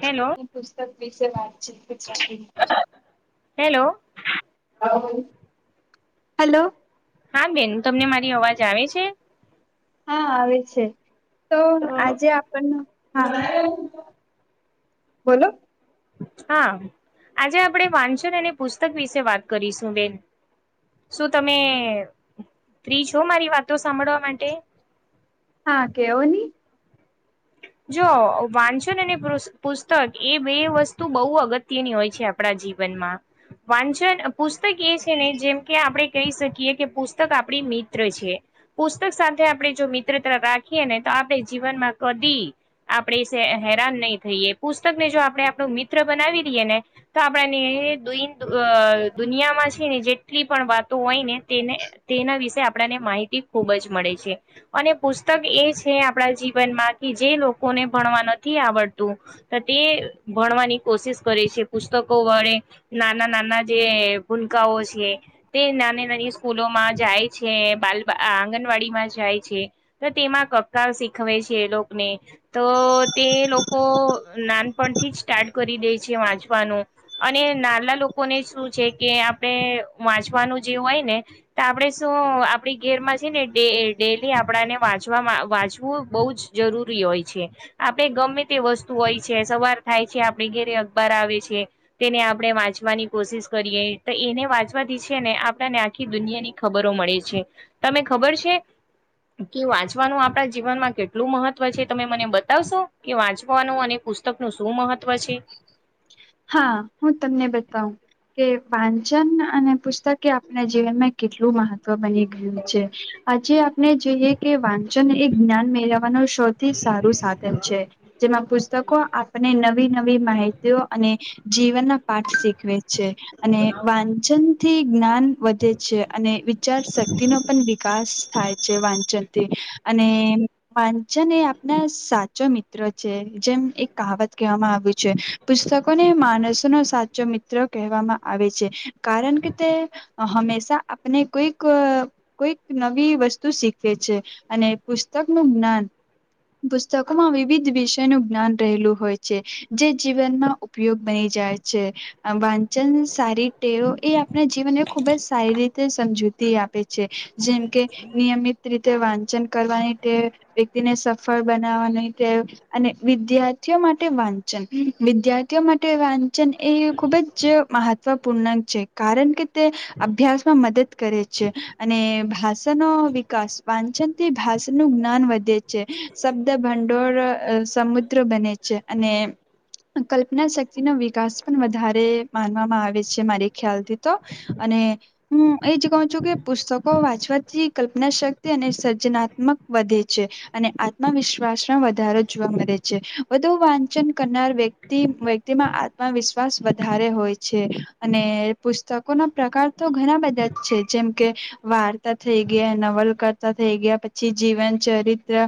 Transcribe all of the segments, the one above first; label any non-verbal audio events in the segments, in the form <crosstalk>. Hello એ પુસ્તક વિશે વાતચી વાતી હેલો હલો હા બેન તમને મારી અવાજ આવે છે હા આવે છે તો આજે આપણ હા બોલો હા આજે આપણે વાંચન અને પુસ્તક વિશે વાત કરીશું બેન શું તમે ફ્રી છો મારી વાતો સાંભળવા માટે હા કેવો ન જો વાંચન અને પુસ્તક એ બે વસ્તુ બહુ અગત્યની હોય છે આપણા જીવનમાં વાંચન પુસ્તક એ છે ને જેમ કે આપણે કહી શકીએ કે પુસ્તક આપણી મિત્ર છે પુસ્તક સાથે આપણે જો મિત્રતા રાખીએ ને બાપે જીવનમાં કદી આપણે હેરાન નહી થઈએ પુસ્તક ને જો આપણે આપણું મિત્ર બનાવી દઈએ ને તો આપણે દ દુનિયામાં છે ને જેટલી પણ વાતો હોય ને તેને તેના વિશે આપ આપને માહિતી ખુબ જ મળે છે અને પુસ્તક એ છે આપણા જીવનમાં કે જે લોકો કોને ભણવા નથી આવડતું તો તે ભણવાની કોશિશ કરે છે પુસ્તકો વડે નાના નાના જે ભૂલકાઓ છે તે નાની નાની સ્કૂલો માં જાય છે બા આંગણવાડી માં જાય છે તો તેમાં કકા શીખવે છે લોકોને તો તે લોકો નાનપણથી જ સ્ટાર્ટ કરી દે છે વાંચવાનું અને નાલા લોકોને શું છે કે આપણે વાંચવાનું જેવું હોય ને તો આપણે શું આપડી ઘેરમાં છે ને ડે ડેલી આપણાને વાંચવામાં વાંચવું બહુ જ જરૂરી હોય છે આપડે ગમે તે વસ્તુ હોય છે સવાર થાય છે આપણે ઘેરે અખબાર આવે છે તેને આપણે વાંચવાની કોશિશ કરીએ તો એને વાંચવાથી છે ને આપણને આખી દુનિયાની ખબરો મળે છે તમે ખબર છે કે વાંચવાનું આપણા જીવનમાં કેટલું કેટલું મહત્વ છે તમે મને બતાવશો કે વાંચવાનું અને પુસ્તકનુંું શું મહત્વ છે હા હું તમને બતાવું કે વાંચન અને પુસ્તકે એ આપણા જીવનમાં કેટલું મહત્વ બની ગયું છે આજે આપ જોઈએ કે વાંચન એ જ્ઞાન મેળવવાનું સૌથી સારું સાધન છે જેમાં પુસ્ત આપણે નવી નવી માહિતીઓ અને જીવનના પાઠ શીખવે છે અને વાંચન થી જ્ઞાન વધે છે અને વિચાર શ તનું પણ વિકાસ થાય છે વાંચનથી અને વાંચન એ આપના સાચો મિત્રો જેમ એક કાવત કેહેવામાં આવ પુસ્તકોને માનસો નો સાચો મિત્ર કહેવામાં આવે છે કારણ કે તે હંમેશા આપને કોઈક કોઈક નવી વસ્તુ શીખવે છે અને પુસ તક નું જ્ઞાન પુસ્તકોમાં વિવિધ વિષય નું જ્ઞાન રહેલું હોય છે જે જીવનમાં ઉપયોગ બની જાય છે વાંચન સારી ટેવ એ આપણે જીવ ને ખુબ જ સારી રીતે સમજૂતી આપે છે જેમ કે નિયમિત રીતે વાંચન કરવાની ટેવ વ્યક્તિને સફળ બનાવવા ન અને વિદ્યાર્થીઓ માટે વાં ચન વિદ્યાર્થીઓ માટે વાંચન એ ખુબ જ મહત્વપૂર્ણ છે કારણ કે તે અભ્યાસમાં મદદ કરે છે અને ભાષાનો વિકાસ વાંચન થી ભા ખાસ નું જ્ઞાન વધે છે શબ્દ ભંડોળ સમુદ્ર બને છે અને <inaudible> કલ્પના શક્તિનો વિકાસ પણ વધારે માનવામાં આવે છે મારી ખ્યાલથી તો અને હું એ જ કઉ છું કે પુસ્તકો વાંચવાથી કલ્પના શક્તિ અને સર્જનાત્મક વધે છે અને આત્મવિશ્વાસમાં વધારો જોવા મળે છે વધુ વાંચન કરનાર વ્યક્તિ વ્યક્તિમાં આત્મવિશ્વાસ વધારે હોય છે અને પુસ્તકો નો પ્રકાર તો ઘણા બધા છે જેમ કે વાર્તા થઈ ગયા નવલકર્તા થઈ ગયા પ છી જીવન ચરિત્ર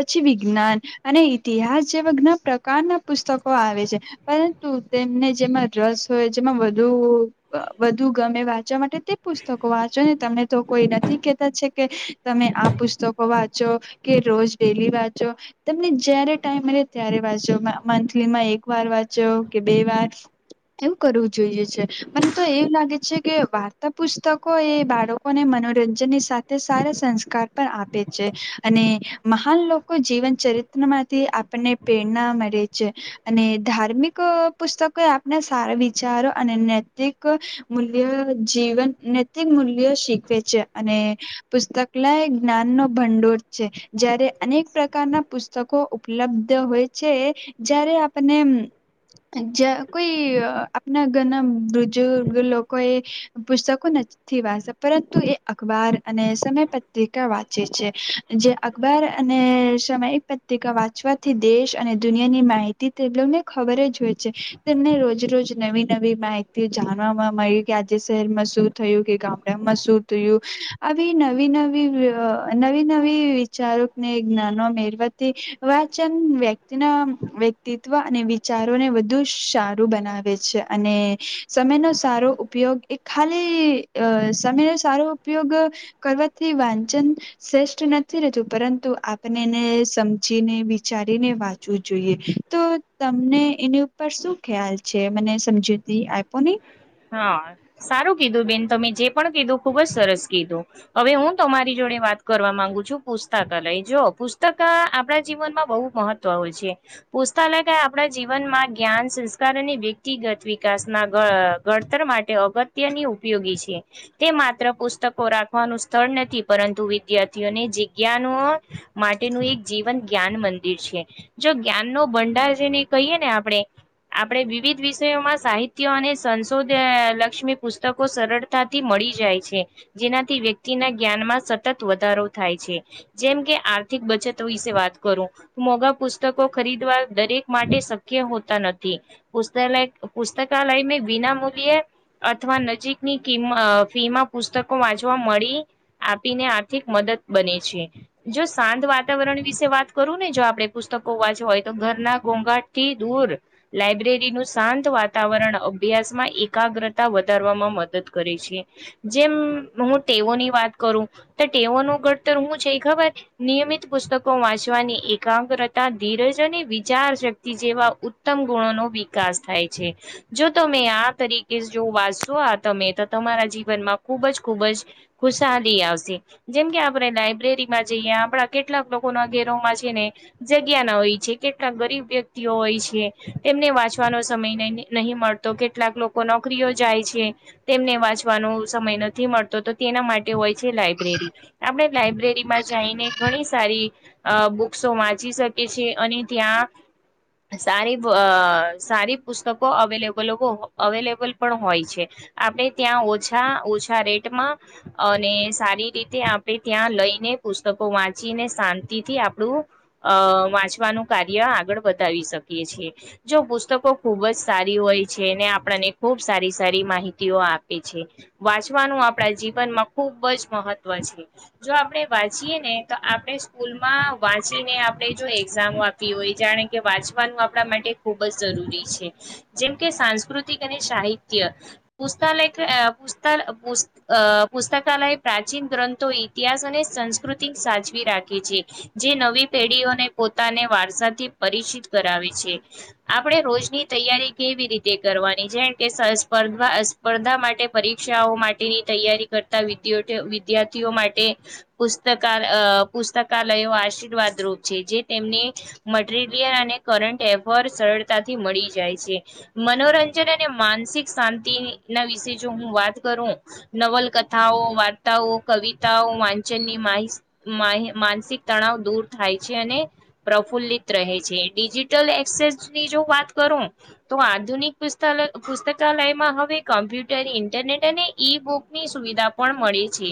પછી વિજ્ઞાન અને ઇતિહાસ જેવા ઘણા પ્રકારના પુસ્તકો આવે છે પરંતુ તેમને જેમાં રસ હોય જેમાં વધુ વધુ ગમે વાંચવા માટે તે પુસ્તકો વાંચો ને તમેં તો કોઈ નથી કેતા છે કે તમે આ પુસ્તકો વાંચો કે રોજ ડેલી વાંચો તમને જ્યારે ટાઈમ મળ ત્યારે વાંચો મંથલી માં એક વાર વાંચો કે બે વાર એવું કરવું જોઈએ છે મને તો એવું લાગે છે કે વાર્તા પુસ્તકો એ બાળકોને મ નોરંજનની સાથે સારા સંસ્કાર પણ આપે છે અને મહાન લોકો જીવનચર રીતનમાંથી આપણને પ્રેરના મળે છે અને ધાર્મિક પુસ્તકો એ આપના સારા વિચારો અને નૈતિક મૂલ્ય જીવન નૈતિક મૂલ્ય શીખવે છે અને પુસ્તકલય જ્ઞાન નો ભંડોર છે જયારે અનેક પ્રકારના પુસ્તકો ઉપલબ્ધ હોય છે જયારે આપને જ્યાં કોઈ આપણા ઘરના વૃજુ લોકો એ પુસ્તકો ન થી વાચ પરંતુ એ અખબાર અને સમય પત્રિકા વાંચે છે જે અખબાર અને સમયિક પત્રિકા વાંચવાથી દેશ અને દુનિ ની માહિતી તેમને ખબર જ હોય છે તેમને રોજ રોજ નવી નવી માહિતી જાણવા મ માં મળી કે આજે શહેરમાં શું થયું કે ગામડામાં શું થયું આવી નવી નવી અ નવી નવી વિચારોને જ્ઞનો મેળવતી વાચન વ્યક્તિના વ્યક્તિત્વ અને વિચારોને વધુ સારું બનાવે છે અને સમયનો સા રો ઉપયોગ એ ખાલી અ સમયનો સારો ઉપયોગ કરવાથી વાંચન શ્રેષ્ઠ નથી રતું પરંતુ આપને એને સમજીને વિચારીને વાંચવું જોઈએ તો તમને એની ઉપર શું ખ્યાલ છે મને સમજૂતી આપોની હા સારું કીધું બેન તમે જે પણ કીધું ખુબ જ સરસ કીધું હવે હું તમારી જોડે વાત કરવા માંગુ છું પુસ્તકાલય જો પુસ્તક આપણા જીવનમાં બહુ મહત્વ હોય છે. પુસ્તાલક આપડા જીવનમાં જ્ઞાન સંસ્કાર અને વ્યક્તિગત વિકાસ ના ગ ઘડતર માટે અગત્યની ઉપયોગી છે તે માત્ર પુસ્તકો રાખવાનું સ્થળ નથી પરં તુ વિદ્યાર્થીઓને જિજ્ઞાનો માટેનું એક જીવન જ્ઞાન મંદિર છે જો જ્ઞાન નો બંડાર છે ને કહીએ ને આપડે આપડે વિવિધ વિષયોમાં સાહિત્ય અને સં શું તે લક્ષ્મી પુસ્તકો સરળતાથી મળી જાય છે જેનાથી વ્યક્તિના જ્ઞાનમાં શ સતત વધારો થાય છે જેમ કે આર્થિક બચત વિશે વાત કરું મોગા પુસ્તકો ખરીદવા દરેક માટે શક્ય હોતા નથી પુસ્તા લય પુસ્તકાલય વિના મૂલ્ય અથવા નજીકની કિમ ફી માં પુસ્તકો વાંચવા મળી આપીને આર્થિક મદદ બને છે જો શાંત વાતાવરણ વિશે વાત કરું ને જો આપડે પુસ તકો વાચવા હોય તો ઘરના ઘોંઘાટથી દૂર લાયબ્રેરી નું શાંત વાતાવરણ અભ્યાસમાં એકાગ્રતા વધારવામાં મદદ કરે છે, જેમ હું તેઓની વાત કરું તો ટેવ નુ ઘડતર હું છે ખબર નિયમિત પુસ્તકો વાંચવાની એકાગ્રતા ધીરજ વિચાર શક્તિ જેવા ઉત્તમ ગુણો નો વિકાસ થાય છે, જો તમે આ તરીકે જો વાંચો આ તમે તો તમારા જીવનમાં ખુબ જ ખુબ જ ખુશહાલી આવશે જેમ કે આપણે લાઈબ્રેરીમાં જઈએ આપડા કેટલાક લોકો ના ઘેરોમાં છે ને જગ્યા ના હોય કેટલાક ગરીબ વ્યક્તિઓ હોય છે, તેમને વાંચવાનો સમય નહીં મળતો કેટલાક લોકો નોકરીઓ જાય છે તેમને વાંચવાનો સમય નથી મળતો તો તેના માટે હોય છે, લાયબ્રેરી આપણે લાયબ્રેરી માં જઈને ઘણી સારી અ બુક્સો વાંચી શકે છે અને ત્યાં સારી સારી પુસ્તકો અવેલેબલ હો અવેલેબલ પણ હોય છે, આપણે ત્યાં ઓછા ઓછા રેટમાં અને સારી રીતે આપણે ત્યાં લઈને પુસ્તકો વાંચીને શાંતિ થી આપણું અ વાંચવાનું, <unintelligible> કાર્ય આગળ વધારી શકીએ, જો પુસ્તકો ખુબ જ સારી હોય છે આપને ખુબ સારી સારી માહિતીઓ આપે છે, વાંચવાનું આપણા જીવનમાં ખુબ જ મહત્વ મહત્વ છે, જો આપણે વાંચીએ ને તો આપણે સ્કૂલમાં વાંચીને આપણે જો એગજામ આપી હોય જાણે કે વાંચવાનું આપણા માટે ખૂબ જ જરૂરી છે, જેમ કે સાસ્કૃતિક થી કરી સાહીત્ય પુસ્તલય પ્રચીન ગ્રંથો ઇતિહાસ અને સંસ્કૃતિ સાચવી રાખે છે, જે નવી પેઢીઓને પોતા ને વારસાથી પરિચિત કરાવે છે, આપણે રોજની તૈયારી કેવી રીતે કરવાની છેમ કે સ્પર્ધા માટે પરીક્ષાઓ માટેની તૈયારી કરતા વિદ્યાર્થી વિદ્યાર્થીઓ માટેસ્ પુસ્તકાલયો આશીર્વાદ રૂપ છે, જે અમને મટીરીયલ કરન એફર સરતાથી મળી જાય છે, મનોરંજન અને માનસિક શાંતિ ના વિશે જો હું વાત કરું નવલકથાઓ વાર્તાઓ કવિતાઓ વાંચનની માનસિક તણાવ દૂર થાય છે, અને પ્રફુલ્લિત રહે છે, ડિજિટલ એક્સેસ ની જો વાત કરુ તો આધુનિક પુસ્તકાલયમાં હવે કોમ્પ્યુટર ઇન્ટરનેટ અને ઈ બુકની સુવિધા પણ મળી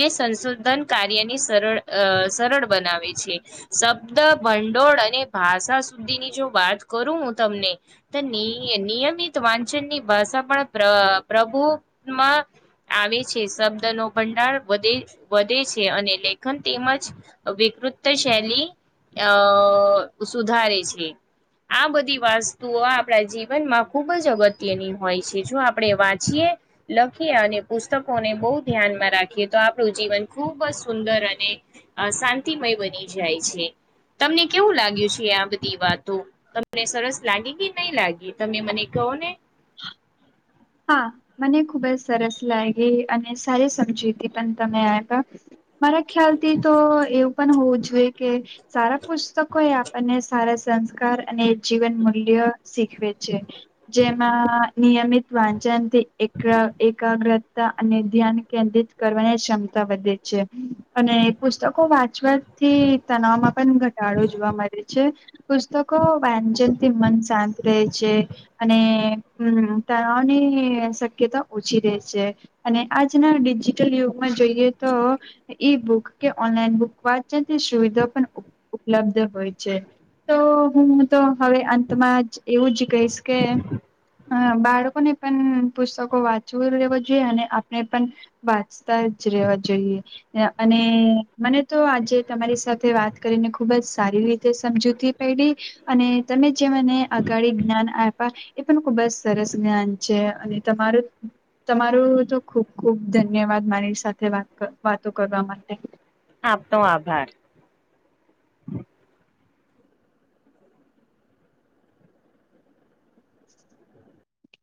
જે સંશોધન કાર્યની સરળ સરળ બનાવે છે, શબ્દ ભંડોળ અને ભાષા સુધીની જો વાત કરું હું, તમને નિયમ વાંચન ની ભાષા પણ પ્રભુમાં આવે છે, શબ્દ નો ભંડાર વધે વધે છે, અને લેખન તેમજ વૃત શૈલી અ સુધારે છે આ બધી વાસ્તુઓ આપણા જીવનમાં ખૂબ જ અગત્યની હોય છે, જો આપણે વાંચીએ લખીએ અને પુસ્તકોને બહુ ધ્યાન રાખીએ, તો આપણું જીવન ખુબજ સુંદર અને શાંતિમય બની જાય છે. તમને કેવું લાગ્યું છે? આ બધી વાત. તો તમને સરસ લાગે કે નહીં લાગે તમે મને કહો ને? <inaudible> હા, મને ખુબ જ સરસ લાગી અને સારી સમજી પણ તમે આ <inaudible> મારા ખ્યાલથી, તો એવું પણ હોવું જ કે સારા પુસ્તકો, એ આપણને સારા સંસ્કાર અને જીવન મૂલ્ય શીખ જેમાં નિયમિત વાંચનથી એક-એક <unintelligible> તા અને ધ્યાન કેન્દ્રિત કરવાની ક્ષમતા વધે છે, અને પુસ્તકો વાંચવા થી તનાવમાં પણ ઘટાડો જોવા મળે છે, પુસ્તકો વાંજનથી મન શાંત રહે છે, અને હ તણાવની શક્યતા ઓછી રહે છે, અને આજના ડિજિટલ યુગમાં જોઈએ, તો તો ઈ બુક કે ઓનલાઈન બુક વાંચનની સુવિધા પણ ઉપલબ્ધ હોય છે, તો હું તો હવે અંતમાં જ એવું જ કહીશ, કે બાળ બાળકોને પણ પુસ્તકો વાંચવું રહેેવું જોઈએ, અને આપણે પણ વાંચતા જ રહેેવા જોઈએ. અને મને તો આજે તમારી સાથે વાત કરીને ખુબ જ સારી રીતે સમજ <unintelligible> પડી, અને તમે જે મને અગાળી જ્ઞાન આપવા એ પણ ખુબ જ સરસ જ્ઞાન છે, અને તમારું તમારો તો ખુબ-ખુબ ધન્યવાદ મારી સાથે વાત કરવા માટે. આપણો આભાર.